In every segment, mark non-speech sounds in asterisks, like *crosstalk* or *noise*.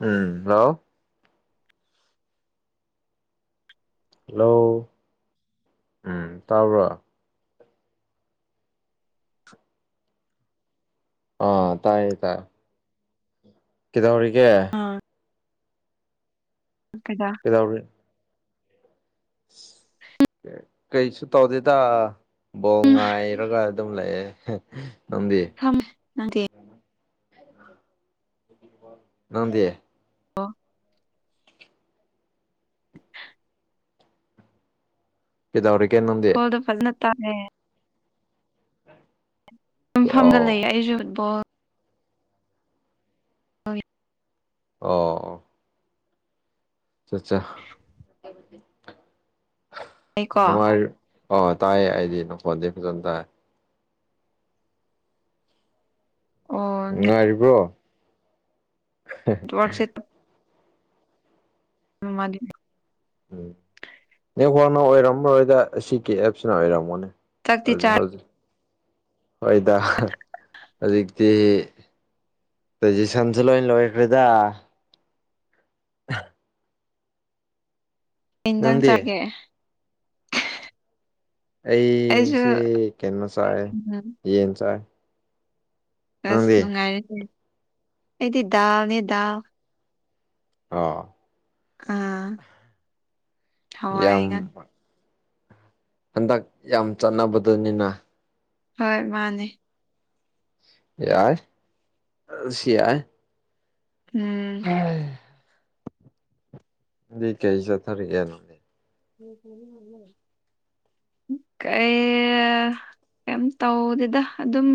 ꯎꯝ ꯂꯥꯎꯏ *unintelligible* hello ꯎꯝ ꯇꯥꯕ꯭ꯔꯣ ꯑ ꯇꯥꯏ ꯇꯥꯏ ꯀꯩꯗꯧꯔꯤꯒꯦ ꯑꯥ ꯀꯩꯗ *inaudible* ꯀꯩꯁꯨ ꯇꯧꯗꯦꯗ ꯕꯣ ꯎꯝ ꯉꯥꯏꯔꯒ ꯂꯩꯑꯦ ꯅꯝꯗꯤ ꯐꯝꯃꯦ ꯅꯪꯗꯤ ꯅꯪꯗꯤ ꯑ *inaudible* ꯀꯩꯗꯧꯔꯤꯒꯦ ꯅꯪ ꯈꯣ ꯐꯖꯅ ꯇꯥꯔꯦ ꯌꯨꯝ ꯐꯝꯗ ꯑꯣ ꯂꯩꯌꯦ ꯑꯩꯁꯨ ꯐꯨꯠꯕꯣꯜ ꯍꯣꯏ ꯑꯣ ꯆꯠꯆꯥ ꯀꯣ ꯅꯨꯡꯉꯥꯏ ꯑ ꯇꯥꯏꯌꯦ ꯑꯩꯗꯤ ꯅꯀꯣꯟꯗꯦ ꯐꯖꯟ ꯇꯥꯏ ꯑꯣ ꯉꯥꯏꯔꯤꯕ꯭ꯔꯣ ꯋꯥꯔꯁꯤꯠ *inaudible* *inaudible* ꯃꯥꯗꯤ ꯎꯝ ꯅꯦꯠꯋꯥꯛꯅ ꯑꯣꯏꯔꯝꯃꯔꯣꯏꯗ ꯁꯤ ꯀꯤ ꯑꯦꯞꯁꯤꯅ ꯑꯣꯏꯔꯝꯃꯣꯅ‌ꯦ ꯆꯥꯛꯇꯤ ꯆꯥꯔꯦ ꯍꯣꯏꯗ ꯍꯧꯖꯤꯛꯇꯤ ꯇꯨꯏꯁꯟꯁꯨ ꯂꯣꯏ ꯂꯣꯏꯈ꯭ꯔꯦꯗ ꯏꯟꯖꯥꯡ ꯅꯪꯗꯤ ꯆꯥꯒꯦ ꯑꯩꯁꯨ ꯑꯩꯁꯦ ꯀꯩꯅꯣ ꯆꯥꯏ ꯎꯝ ꯌꯦꯟ ꯆꯥꯏ ꯑꯁ ꯅꯪꯗꯤ ꯅꯨꯡꯉꯥꯏꯔꯤꯁꯦ ꯑꯩꯗꯤ ꯗꯥꯎꯅꯦ ꯗꯥꯎ ꯑꯥ ꯑ ꯌꯥꯝ ꯍꯋꯥꯏ ꯍꯟꯗꯛ ꯌꯥꯝ ꯆꯠꯅꯕꯗꯅꯤꯅ ꯍꯣꯏ ꯃꯥꯅꯦ ꯌꯥꯏ ꯁꯤ ꯌꯥꯏ ꯎꯝ ꯀꯩ ꯆꯠꯊꯔꯛꯒꯦꯅꯣ ꯎ ꯀꯩ ꯀꯩꯝ ꯇꯧꯗꯦꯗ ꯑꯗꯨꯝ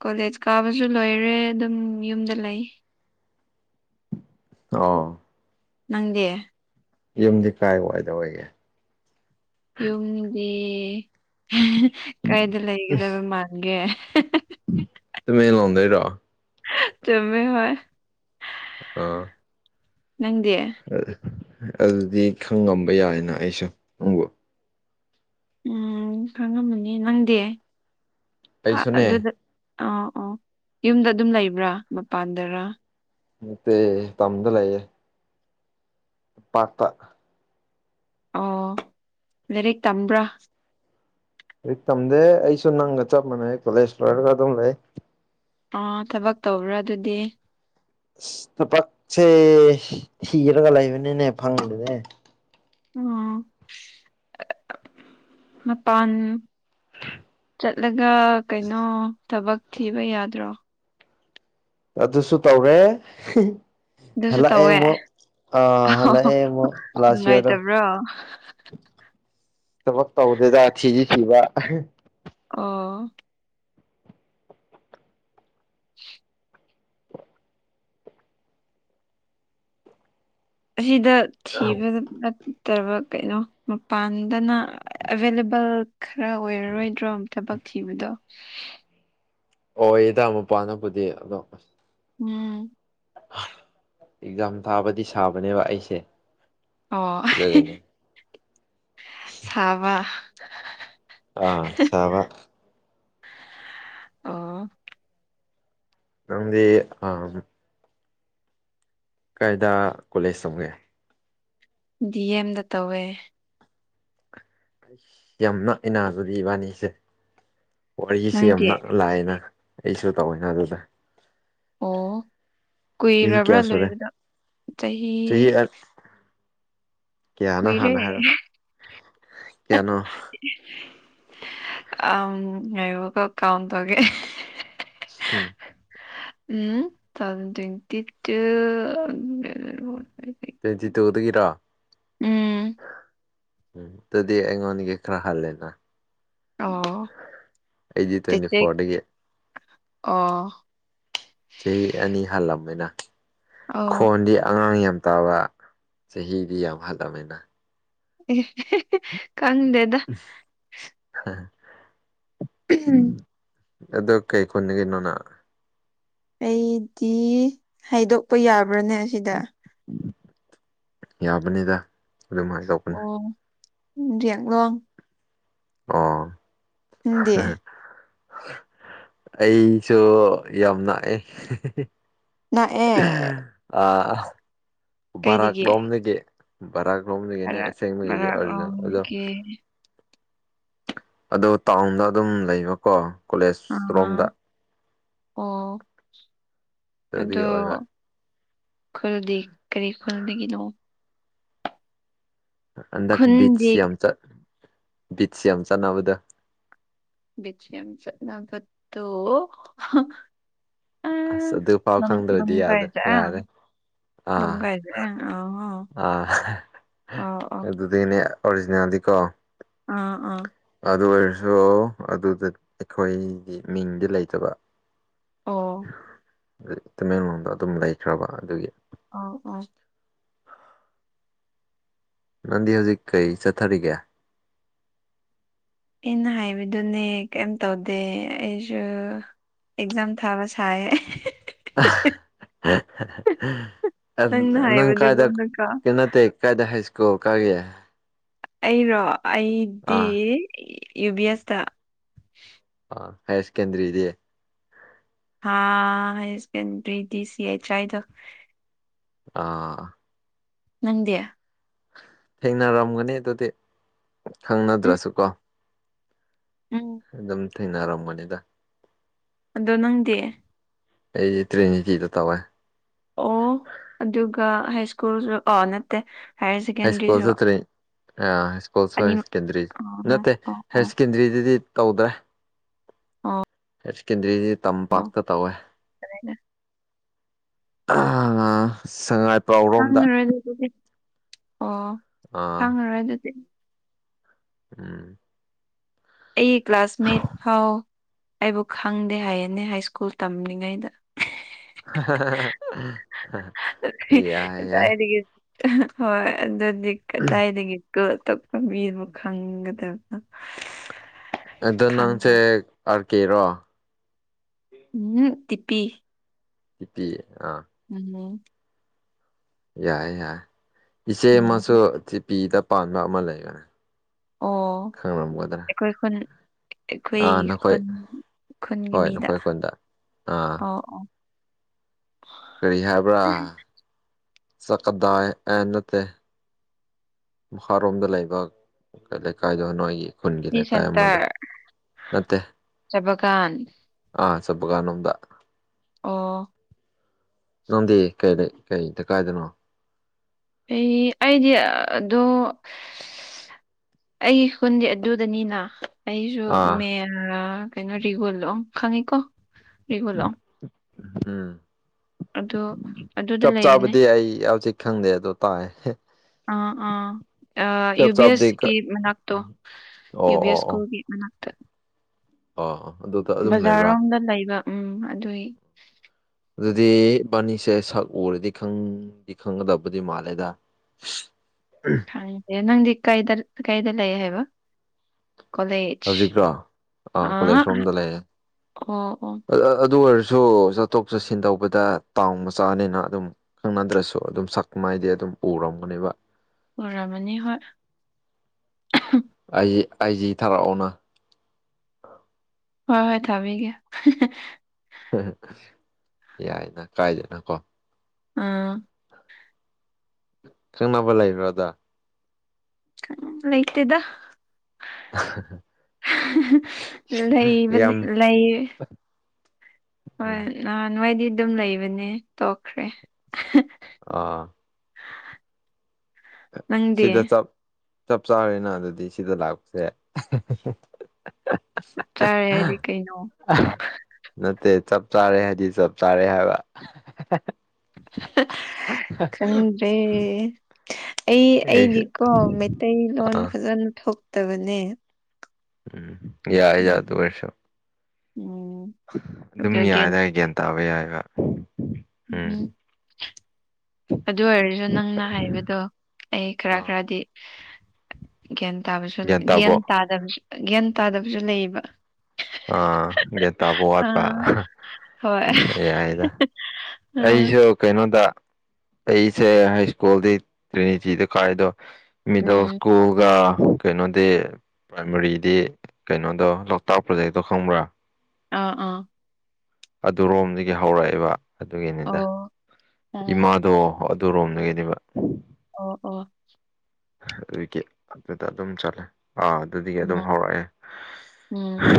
ꯀꯣꯂꯦꯖ ꯀꯥꯕꯁꯨ ꯂꯣꯏꯔꯦ ꯑꯗꯨꯝ ꯌꯨꯝꯗ ꯂꯩ ꯑꯥ ꯅꯪꯗꯤꯦ ꯌꯨꯝꯗꯤ ꯀꯥꯏ ꯋꯥꯏꯗ ꯑꯣꯏꯒꯦ ꯌꯨꯝꯗꯤ ꯀꯗꯥꯗ ꯂꯩꯒꯗꯕ ꯃꯥꯟꯒꯦ ꯇ ꯃ ꯂꯥꯗ ꯔ ꯆꯃꯦ ꯍ ꯑ ꯅꯪꯗꯤꯦ ꯑꯗꯨꯗꯤ ꯈꯪ ꯉꯝꯕ ꯌꯥꯏꯅ ꯑꯩꯁꯨ ꯅꯪꯕꯨ ꯎꯝ ꯈꯪꯉꯝꯃꯅꯤ ꯅꯪꯗꯤ ꯑꯩꯁꯨꯅꯦ ꯑꯗꯨꯗ ꯑꯥ ꯑꯥ ꯌꯨꯝꯗ ꯑꯗꯨꯝ ꯂꯩꯕ꯭ꯔꯥ ꯃꯄꯥꯟꯗꯔ ꯇꯝꯗ ꯂ ꯂꯩꯌꯦ ꯄꯥꯄ ꯑꯣ ꯂꯔꯤꯛ ꯇꯝꯕ꯭ꯔꯥ ꯍꯧ ꯇꯝꯗꯦ ꯑꯩꯁꯨ ꯅꯪꯒ ꯆꯞ ꯃꯥꯟꯅꯩ ꯀꯣꯂꯦꯖ ꯐꯔꯒ ꯑꯗꯨꯝ ꯂꯩ ꯑꯣ ꯊꯕꯛ ꯇꯧꯕ꯭ꯔꯥ ꯑꯗꯨꯗꯤ ꯇ ꯄꯥꯛꯁꯦ ꯍꯤꯒꯔꯒ ꯂꯩꯕꯅꯤꯅꯦ ꯐꯪꯗꯦꯅꯦ ꯎ ꯃꯄꯥꯟ ꯆꯠꯂꯒ ꯀꯩꯅꯣ ꯊꯕꯛ ꯊꯤꯕ ꯌꯥꯗ꯭ꯔꯣ ꯑꯗꯨꯁꯨ ꯇꯧꯔꯦ ꯑꯗꯨꯁꯨ ꯍꯂ ꯇꯧꯋꯦ ꯑꯦꯃ ꯑ ꯍꯂ ꯑꯦꯃ ꯐ꯭ꯂꯁꯤꯣ ꯑꯣ ꯊꯕꯛ ꯇꯧꯗꯦꯗ ꯁꯤꯤꯁꯤ ꯁꯤꯕ ꯑ ꯑꯁꯤꯗ ꯊꯤꯕ ꯅꯠꯇꯕ ꯀꯩꯅꯣ ꯃꯄꯥꯟꯗꯅ ꯑꯦꯚꯏꯂꯦꯕꯜ ꯈꯔ ꯑꯣꯏꯔꯔꯣꯏꯗ꯭ꯔꯣ ꯊꯕꯛ ꯄ ꯊꯤꯕꯤꯗ ꯑꯣ ꯏꯗꯥ ꯃꯄꯥꯅꯕꯨꯗꯤ ꯑꯗꯣ ꯑꯁ ꯎꯝ ꯑꯦꯛꯖꯥꯝ ꯊꯥꯕꯗꯤ ꯁꯥꯕꯅꯦꯕ ꯑꯩꯁꯦ ꯑꯣ ꯑꯗꯨꯒꯤꯅꯦ ꯁꯥꯕ ꯑꯥ ꯆꯥꯕ ꯑꯣ ꯅꯗꯤ ꯑ ꯀꯥꯏꯗ ꯀꯣꯂꯦꯖ ꯆꯪꯒꯦ ꯗꯤ ꯑꯦꯝꯗ ꯇꯧꯋꯦ ꯑꯩ ꯌꯥꯝ ꯅꯛꯏꯅꯥꯗꯨꯗꯤ ꯏꯕꯥꯅꯤꯁꯦ ꯋꯥꯔꯤꯁꯦ ꯌꯥꯝ ꯅꯪꯗꯤ ꯅꯛ ꯂꯥꯛꯑꯦꯅ ꯑꯩꯁꯨ ꯇꯧꯋꯦꯅ ꯑꯗꯨꯗ ꯑꯣ ꯆꯍꯤ ꯀꯨꯏꯔꯕ꯭ꯔꯥ ꯀꯌꯥ ꯁꯨꯔꯦ ꯂꯣꯏꯕꯗ ꯆꯍꯤ ꯀꯌꯥꯅꯣ ꯀꯨꯏꯔꯦ ꯍꯥꯟꯅ ꯍꯥꯏꯔꯣ ꯀꯌꯥꯅꯣ ꯑ ꯑꯕ ꯀ ꯀꯥꯎꯝ ꯇꯒꯦ ꯍ ꯎꯝ two thousand twenty two twenty ꯇꯨꯗꯒꯤꯔꯣ ꯎꯝ ꯎꯝ ꯑꯗꯨꯗꯤ ꯑꯩꯉꯣꯟꯗꯒꯤ ꯈꯔ ꯍꯜꯂꯦꯅ ꯑꯣ ꯑꯩꯗꯤ ꯇ꯭ꯋꯦꯟꯇꯗꯤ ꯐꯣꯔꯗꯒꯤ ꯑ ꯆꯍꯤ ꯑꯅꯤ ꯍꯜꯂꯝꯕꯅꯤꯅ ꯑꯣ ꯈꯣꯟꯗꯤ ꯑꯉꯥꯡ ꯌꯥꯝ ꯇꯥꯕ ꯆꯍꯤꯗꯤ ꯌꯥꯝ ꯍꯜꯂꯝꯃꯤꯅ ꯀꯪꯗꯦ *inaudible* ꯎꯝ ꯑꯗꯣ ꯀꯩ ꯈꯨꯅ ꯀꯅꯣꯅ ꯑꯩꯗꯤ ꯍꯥꯏꯗꯣꯛꯄ ꯌꯥꯕ꯭ꯔꯥꯅꯦ ꯁꯤꯗ ꯌꯥꯕꯅꯤꯗ ꯑꯗꯨꯃꯥꯏꯅ ꯇꯧ ꯑꯣ ꯎꯗꯤꯌꯥꯒꯣ ꯑꯥ ꯎꯗꯤꯦ ꯑꯩꯁꯨ ꯌꯥꯝ ꯂꯥꯛꯑꯦ ꯅꯛꯑꯦ ꯑ ꯚꯔꯥꯛ ꯀꯩꯗꯒꯤ ꯂꯣꯝꯗꯒꯤ ꯕꯔꯥꯒ ꯂꯣꯝꯒꯅꯦ ꯑꯁꯦꯡꯒꯦꯅ ꯑꯗꯨꯣ ꯎ ꯑꯗꯣ ꯇꯥꯎꯟꯗ ꯑꯗꯨꯝ ꯂꯩꯕꯀꯣ ꯀꯣꯂꯦꯖ ꯔꯣꯝꯗ ꯑꯥ ꯑꯣ ꯑꯗꯨꯒꯤ ꯑꯣꯏꯕ ꯑꯗꯣ ꯈꯨꯜꯗꯤ ꯀꯔꯤ ꯈꯨꯜꯗꯒꯤꯅꯣ ꯍꯟꯗꯛ ꯈꯨꯟꯗꯤ ꯕꯤꯠꯆꯁꯤ ꯌꯥꯝ ꯆꯠ ꯕꯤꯆꯁꯤ ꯌꯥꯝ ꯆꯠꯅꯕꯗ ꯕꯤꯖꯤ ꯑꯝꯁꯕꯠꯇ ꯑ ꯍꯥꯏ ꯑꯁ ꯑꯗꯨꯐꯥꯎ ꯈꯪꯗ꯭ꯔꯗꯤ ꯑ ꯌꯥꯗ ꯌꯥꯔꯦ ꯍꯥꯏ ꯑ ꯑ ꯑ ꯑꯗꯨꯗꯤꯅꯦ ꯑꯣꯔꯤꯖꯗꯤꯀꯣ ꯑꯥ ꯑꯥ ꯑꯗꯨ ꯑꯣꯏꯔꯁꯨ ꯑꯗꯨꯗ ꯑꯩꯈꯣꯏꯒꯤ ꯃꯤꯡꯗꯤ ꯂꯩꯇꯕ ꯑꯣ ꯇꯃꯦꯡꯂꯣꯡꯗ ꯑꯗꯨꯝ ꯂꯩꯈ꯭ꯔꯕ ꯑꯗꯨꯒꯤ ꯑ ꯑꯣ ꯅꯪꯗꯤ ꯍꯧꯖꯤꯛ ꯀꯩ ꯆꯠꯊꯔꯤꯒꯦ ꯑꯩꯅ ꯍꯥꯏꯕꯗꯨꯅꯦ ꯀꯩꯝ ꯇꯧꯗꯦ ꯑꯩꯁꯨ ꯑꯦꯛꯖꯥꯝ ꯊꯥꯕ ꯁꯥꯏꯦ ꯅꯪꯅ ꯅꯪ ꯀꯥꯏꯗ ꯍꯥꯏꯕꯗꯨꯒꯨꯝꯅꯀꯣ ꯀꯩꯅ ꯇ ꯆꯀꯥꯏꯗ ꯍꯥꯏ ꯁ꯭ꯀꯣ ꯑꯣ ꯀꯥꯦ ꯑꯩꯔꯣ ꯑꯩꯗꯤ ꯑꯥ ꯌꯨ ꯕꯤ ꯑꯦꯁꯇ ꯑ ꯍꯌꯔ ꯁꯦꯀꯦꯟꯗꯔꯤ ꯏꯑꯦ ꯍꯥꯥ ꯍ ꯁꯦꯀꯦꯟꯗꯔꯤꯗꯤ ꯁꯤ ꯑꯦꯆ ꯑꯥꯏꯗ ꯑꯥ ꯅꯗꯌꯥ ꯊꯦꯡꯅꯔꯝꯒꯅꯤ ꯑꯗꯨꯗꯤ ꯎꯝ ꯈꯪꯅꯗ꯭ꯔꯁꯨ ꯀꯣ ꯎꯝ ꯑꯗꯨꯝ ꯊꯦꯡꯅꯔꯝꯕꯅꯤꯗ ꯑꯗꯣ ꯅꯪꯗꯤ ꯑꯩꯗꯤ ꯇ꯭ꯔꯦꯅꯤꯀꯤꯤꯗ ꯇꯧꯋꯦ ꯑꯣ ꯑꯗꯨꯒ ꯍꯥꯏ ꯁ꯭ꯀꯨꯜꯁꯨ ꯑꯥ ꯅꯠꯇꯦ ꯍꯥꯏꯌꯔ ꯍ ꯁꯦꯀꯦꯟꯗꯔꯤꯁꯨ ꯁꯀꯣꯜꯁꯨꯇꯦ ꯑꯀꯨꯜ ꯑꯅꯤꯃꯛ ꯁꯦꯀꯗꯔꯤ ꯑꯣ ꯑꯣ ꯅꯠꯇꯦꯔ ꯑꯣ ꯁꯦꯀꯦꯟꯗꯔꯤꯗꯗꯤ ꯇꯧꯗ꯭ꯔꯦ *inaudible* ꯑꯣ ꯍꯥꯏ ꯁꯦꯀꯦꯟꯗꯔꯤꯁꯤ ꯑꯣ ꯇꯝꯄꯥꯛꯇ ꯇꯧꯋꯦ ꯑꯃꯥ ꯁꯉꯥꯏ ꯄ꯭ꯔꯥꯎꯔꯣꯝꯗ ꯈꯥꯡꯉꯔꯣꯏ ꯑꯗꯨ ꯑꯗꯨꯗꯤ ꯑꯣ ꯑꯥ ꯈꯥꯡꯉꯔꯣꯏ ꯑꯗꯨꯗꯤ ꯎꯝ ꯑꯩ ꯀ꯭ꯂꯥꯁꯃꯦꯠ ꯐꯥꯎ ꯑꯩꯕꯨ ꯈꯪꯗꯦ ꯍꯥꯏꯌꯦꯅꯦ ꯍꯥꯏꯁ꯭ꯀꯨꯜ ꯇꯝꯂꯤꯉꯩꯗ ꯌꯥꯏ ꯌꯥꯏ ꯀꯥꯏꯗꯥꯏꯗꯒꯤ ꯍꯣꯏ ꯑꯗꯨꯗꯤ ꯀꯗꯥꯏꯗꯒꯤ ꯇꯛꯄꯕꯤ ꯑꯃ ꯈꯪꯒꯗꯕ ꯑꯗꯣ ꯅꯪꯁꯦ ꯑꯥꯔ ꯀꯦꯔꯣ ꯎꯝ ꯖꯤꯄꯤ ꯏ ꯑ ꯎꯝ ꯌꯥꯏ ꯌꯥꯏ ꯏꯆꯦ ꯑꯃꯁꯨ ꯎꯝ ꯖꯤꯄꯤꯗ ꯄꯥꯟꯕ ꯑꯃ ꯂꯩꯕꯅꯦ ꯑꯣ ꯈꯪꯂꯝꯒꯗ꯭ꯔꯥ ꯑꯩꯏꯣꯟ ꯑꯩꯈꯣꯏ ꯑꯥ ꯅꯈꯣꯏ ꯈꯨꯟ ꯈꯨꯟꯒꯤ ꯍꯣꯏ ꯃꯤꯗ ꯅꯈꯣꯏ ꯈꯨꯟꯗ ꯑꯥ ꯑꯣ ꯑꯣ ꯀꯔꯤ ꯍꯥꯏꯕ꯭ꯔꯥ ꯆꯠꯀꯗꯥꯏ ꯑꯦ ꯅꯠꯇꯦ ꯃꯈꯥꯔꯣꯝꯗ ꯂꯩꯕ ꯂꯩꯀꯥꯏꯗꯣ ꯅꯣꯏꯒꯤ ꯈꯨꯟꯒꯤ ꯁꯤ ꯂꯩꯀꯥꯏ ꯑꯃꯗꯣ ꯁꯦꯟꯇꯔ ꯅꯠꯇ ꯦ ꯆꯕꯒꯥꯟ ꯑꯥ ꯁꯄ ꯀꯥꯟꯅꯗ ꯑꯣ ꯅꯪꯗꯤ ꯀꯩꯗ ꯀꯩ ꯂꯩꯣꯀꯥꯏꯗꯅꯣ ꯑꯩ ꯑꯩꯗꯤ ꯑꯣ ꯑꯩꯒꯤ ꯈꯨꯟꯗꯤ ꯑꯗꯨꯗꯅꯤꯅ ꯑꯩꯁꯨ ꯑꯥ ꯃꯦꯂ ꯀꯩꯅꯣ ꯔꯤꯒꯨꯂꯣꯝ ꯈꯪꯉꯤꯀꯣ ꯔꯤꯒꯨꯂꯣꯝ ꯎꯝ ꯑꯗꯨ ꯑꯗꯨꯗ ꯆꯞ ꯂꯩꯕꯅꯦ ꯆꯥꯕꯗꯤ ꯑꯩ ꯍꯧꯖꯤꯛ ꯈꯪꯗꯦ ꯑꯗꯣ ꯇꯥꯏ ꯑꯥ ꯑꯥ ꯌꯨ ꯆꯞ ꯕꯤ ꯆꯥꯕꯗꯤ ꯑꯦꯁ ꯀꯤ ꯃꯅꯥꯛꯇꯣ ꯌꯨ ꯑꯣ ꯕꯤ ꯑꯣ ꯑꯣ ꯑꯣ ꯑꯦꯁꯀꯨꯒꯤ ꯃꯅꯛꯇ ꯑꯣ ꯑꯗꯨꯗꯨ ꯕꯖꯥꯔꯔꯣꯝꯗ ꯂꯩꯕ ꯎꯝ ꯑꯗꯨꯏ ꯑꯗꯨꯗꯤ ꯕꯥꯅꯤꯁꯦ ꯁꯛ ꯎꯔꯗꯤ ꯈꯪꯗꯤ ꯈꯪꯒꯗꯕꯨꯗꯤ ꯃꯥꯜꯂꯦꯗ ꯎꯝ ꯅꯪꯗꯤ ꯀꯩꯗ ꯀꯩꯗ ꯂꯩꯌꯦ ꯍꯥꯏꯕ ꯀꯂꯦꯖ ꯍꯧꯖꯤꯛꯔꯣ ꯑꯥ ꯀꯣꯂꯦꯖ ꯔꯣꯝꯗ ꯂꯩꯌꯦ ꯑꯣ ꯑꯣ ꯑꯗꯨ ꯑꯣꯏꯔꯁꯨ ꯆꯠꯊꯣꯛ ꯆꯠꯁꯤꯟ ꯇꯧꯕꯗ ꯇꯥꯎ ꯃꯆꯥꯅꯤꯅ ꯑꯗꯨꯝ ꯈꯪꯅꯗ꯭ꯔꯁꯨ ꯑꯗꯨꯝ ꯁꯛ ꯃꯥꯏꯦ ꯑꯗꯨꯝ ꯎꯔꯝꯒꯅꯦꯕ ꯎꯔꯃꯅꯤ ꯍꯣꯏ ꯑꯩ ꯑꯩꯖꯤ ꯊꯥꯔꯛꯑꯣꯅ ꯍꯣꯏ ꯍꯣꯏ ꯊꯥꯕꯤꯒꯦ ꯌꯥꯏꯅ ꯀꯥꯏꯗꯅꯀꯣ ꯑꯥ ꯈꯪꯅꯕ ꯂꯩꯕ꯭ꯔꯗ ꯂꯩꯇꯦꯗ ꯂꯩꯕꯅꯤ ꯌꯥꯝ ꯂꯩ ꯍꯣꯏ ꯎꯝ ꯅꯍꯥꯟ ꯅꯉꯥꯏꯗꯤ ꯑꯗꯨꯝ ꯂꯩꯕꯅꯦ ꯇꯣꯛꯈ꯭ꯔꯦ ꯑꯥ ꯅꯪꯗꯤ ꯁꯤꯗ ꯆ ꯆꯞ ꯆꯥꯔꯦꯅ ꯑꯗꯨꯗꯤ ꯁꯤꯗ ꯂꯥꯛꯄꯁꯦ ꯆꯠ ꯆꯥꯔꯦ ꯍꯥꯏꯗꯤ ꯀꯩꯅꯣ ꯅꯠꯇꯦ ꯆꯞ ꯆꯥꯔꯦ ꯍꯥꯏꯗꯤ ꯆꯞ ꯆꯥꯔꯦ ꯍꯥꯏꯕ ꯆꯟꯗꯦ ꯑꯩ ꯑꯩꯁꯦ ꯑꯩꯗꯤꯀꯣ ꯃꯩꯇꯩꯂꯣꯟ ꯑꯥ ꯐꯖꯅ ꯊꯣꯛꯇꯕꯅꯦ ꯎꯝ ꯌꯥꯏ ꯌꯥꯏ ꯑꯗꯨ ꯎꯝ ꯑꯣꯏꯔꯁꯨꯣ ꯎꯝ ꯑꯗꯨꯝ ꯑꯗꯨꯒꯤ ꯌꯥꯏꯗꯥꯏ ꯒ꯭ꯌꯥꯟ ꯇꯥꯕ ꯌꯥꯏꯒ ꯎꯝ ꯑꯗꯨ ꯑꯣꯏꯔꯁꯨ ꯅꯪꯅ ꯍꯥꯏꯕꯗꯣ ꯑꯩ ꯈꯔ ꯑꯥ ꯈꯔꯗꯤ ꯒ꯭ꯌꯥꯟ ꯇꯥꯕꯁꯨ ꯒ꯭ꯌꯥꯟ ꯇꯥꯕꯁꯨ ꯒ꯭ꯌꯥꯟ ꯇꯥꯗꯕꯁꯨ ꯂꯩꯌꯦꯕ ꯑꯥ ꯒ꯭ꯌꯥꯟ ꯇꯥꯕ ꯋꯥꯠꯄ ꯑꯥ ꯍꯣꯏ ꯌꯥꯏꯗ ꯑꯥ ꯑꯩꯁꯨ ꯀꯩꯅꯣꯗ ꯑꯩꯁꯦ ꯍꯥꯏ ꯁ꯭ꯀꯨꯜꯗꯤ ꯇ꯭ꯔꯤꯅꯤꯇꯤꯗ ꯀꯥꯏꯗꯣ ꯃꯤꯗ ꯎꯝ ꯎꯀꯣꯒ ꯀꯩꯅꯣꯗꯤ ꯄ꯭ꯔꯥꯏꯃꯔꯤꯗꯤ ꯀꯩꯅꯣꯗꯣ ꯂꯣꯛꯇꯥꯛ ꯄ꯭ꯔꯣꯖꯦꯛꯇꯣ ꯈꯪꯕ꯭ꯔꯥ ꯑ ꯑꯥ ꯑꯗꯨꯔꯣꯝꯗꯒꯤ ꯍꯧꯔꯛꯑꯦꯕ ꯑꯣ ꯑꯗꯨꯒꯤꯅꯤꯗ ꯑꯣ ꯏꯃꯥꯗꯣ ꯑꯣ ꯑꯗꯨꯔꯣꯝꯗꯒꯤꯅꯦꯕ ꯑꯣ ꯑꯣ ꯑꯗꯨꯒꯤ ꯑꯗꯨꯗ ꯑꯗꯨꯝ ꯆꯠꯂꯦ ꯑꯥ ꯑꯗꯨꯗꯒꯤ ꯑꯗꯨꯝ ꯑꯣ ꯍꯧꯔꯛꯑꯦ ꯎꯝ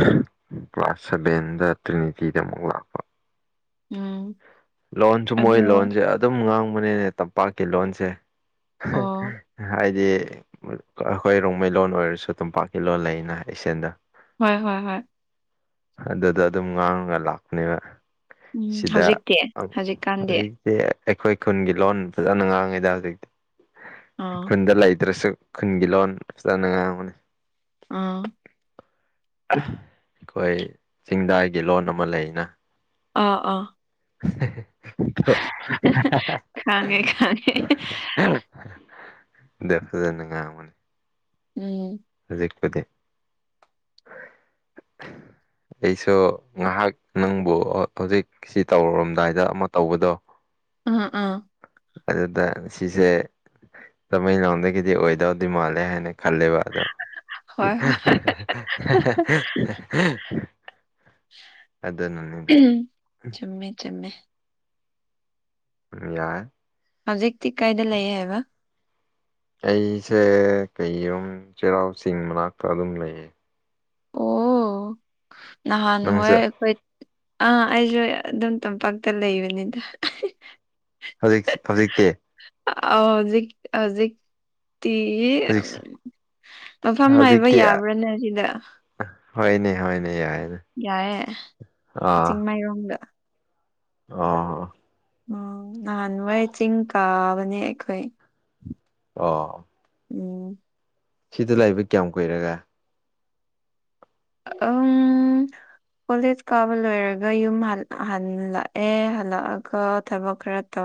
ꯀ꯭ꯂꯥꯁ ꯁꯚꯦꯟꯗ ꯇ꯭ꯔꯤꯅꯤꯇꯤꯗ ꯑꯃꯨꯛ ꯂꯥꯛꯦ ꯎꯝ ꯂꯣꯟꯁꯨ ꯃꯣꯏ ꯑꯗꯣ ꯂꯣꯟꯁꯦ ꯑꯗꯨꯝ ꯉꯥꯡꯕꯅꯤꯅꯦ ꯇꯝꯄꯥꯛꯀꯤ ꯂꯣꯟꯁꯦ ꯑꯣ ꯍꯥꯏꯗꯤ ꯑꯩꯈꯣꯏ ꯔꯣꯡꯃꯩ ꯂꯣꯟ ꯑꯣꯏꯔꯁꯨ ꯇꯣꯝꯄꯥꯛꯀꯤ ꯂꯣꯟ ꯂꯩꯅ ꯑꯦꯁꯤꯌꯥꯟꯗ ꯍꯣꯏ ꯍꯣꯏ ꯍꯣꯏ ꯑꯗꯨꯗ ꯑꯗꯨꯝ ꯉꯥꯡꯉ ꯂꯥꯛꯄꯅꯦꯕ ꯎꯝ ꯁꯤꯗ ꯍꯧꯖꯤꯛꯇꯤ ꯍꯧꯖꯤꯛꯀꯥꯟꯗꯤ ꯍꯧꯖꯤꯛꯇꯤ ꯑꯩꯈꯣꯏ ꯈꯨꯟꯒꯤ ꯂꯣꯟ ꯐꯖꯅ ꯉꯥꯡꯉꯤꯗ ꯍꯧꯖꯤꯛꯇꯤ ꯑꯥ ꯈꯨꯟꯗ ꯂꯩꯇ꯭ꯔꯁꯨ ꯈꯨꯟꯒꯤ ꯂꯣꯟ ꯐꯖꯅ ꯉꯥꯡꯕꯅꯤ ꯑꯥ ꯑꯩꯈꯣꯏ ꯆꯤꯡꯗꯥꯏꯒꯤ ꯂꯣꯟ ꯑꯃ ꯂꯩꯅ ꯑꯥ ꯑꯥ *inaudible* ꯈꯥꯉꯦ ꯈꯥꯉꯦ ꯗꯖ ꯉ ꯃꯅꯤ ꯎꯝ ꯍꯧꯖꯤꯛꯄꯗꯤ *inaudible* ꯑꯩꯁꯨ ꯉꯥꯏꯍꯥꯛ ꯅꯪꯕꯨ ꯍꯧꯖꯤꯛ ꯁꯤ ꯇꯧꯔꯔꯝꯗꯥꯏꯗ ꯑꯃ ꯇꯧꯕꯗꯣ ꯑ ꯑꯥ ꯑꯗꯨꯗ ꯁꯤꯁꯦ ꯇꯃꯦꯡꯂꯣꯡꯗꯒꯤꯗꯤ ꯑꯣꯏꯗꯧꯗꯤ ꯃꯥꯜꯂꯦ ꯍꯥꯏꯅ ꯈꯦꯕꯗꯣ ꯍꯣꯏ ꯑꯗꯨꯗ ꯅꯅꯤꯡꯗ ꯍꯣꯏ ꯆꯨꯝꯃꯦ ꯆꯨꯝꯃꯦ ꯌꯥ ꯌꯥꯏ ꯍꯧꯖꯤꯛꯇꯤ ꯀꯥꯏꯗ ꯂꯩꯌꯦ ꯍꯥꯏꯕ ꯑꯩꯁꯦ ꯀꯩꯔꯣꯝ ꯆꯩꯔꯥꯎ ꯆꯤꯡ ꯃꯅꯥꯛꯇ ꯑꯗꯨꯝ ꯂꯩꯌꯦ ꯅꯪꯁꯨ ꯅꯍꯥꯟꯣꯏꯣꯏ ꯑꯥ ꯑꯩꯁꯨ ꯑꯗꯨꯝ ꯇꯝꯄꯥꯛꯇ ꯂꯩꯕꯅꯤꯗ ꯍꯧꯖꯤꯛ ꯍꯧꯖꯤꯛꯇꯤ ꯑ ꯍꯧꯖꯤꯛꯖꯤꯛ ꯇꯤ ꯍꯧꯖꯤꯛ ꯃꯐꯝ ꯍꯥꯏꯕ ꯍꯧꯖꯤꯛꯇꯤ ꯌꯥꯕ꯭ꯔꯥꯅ ꯁꯤꯗ ꯍꯣꯏꯅꯦ ꯍꯣꯏꯅꯦ ꯌꯥꯏꯅꯦ ꯌꯥꯑꯦ ꯑꯥ ꯇꯤꯤꯡꯃꯩ ꯋꯥꯪ ꯑꯣ ꯎꯝ ꯅꯍꯥꯟꯋꯥꯩ ꯆꯤꯡ ꯀꯥꯕꯅꯦ ꯑꯩꯈꯣꯏ ꯑꯣ ꯎꯝ ꯁꯤꯗ ꯂꯥꯛꯏꯕ ꯀꯌꯥꯝ ꯀꯨꯏꯔꯒ ꯎꯝ ꯀꯣꯂꯦꯖ ꯀꯥꯕ ꯂꯣꯏꯔꯒ ꯌꯨꯝ ꯍꯜꯂꯛꯑꯦ ꯍꯜꯂꯛꯑꯒ ꯊꯕꯛ ꯈꯔ ꯇꯧꯔꯦ